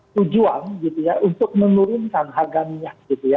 tujuan gitu ya untuk menurunkan harga minyak gitu ya